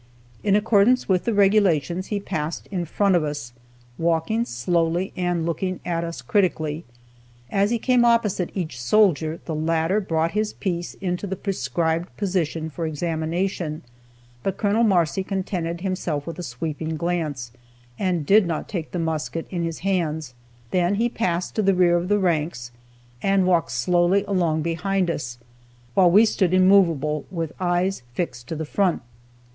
In accordance with the regulations, he passed in front of us, walking slowly and looking at us critically. As he came opposite each soldier, the latter brought his piece into the prescribed position for examination, but Col. Marcy contented himself with a sweeping glance, and did not take the musket in his hands. Then he passed to the rear of the ranks, and walked slowly along behind us, while we stood immovable, with eyes fixed to the front.